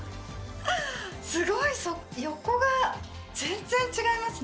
すごい横が全然違いますね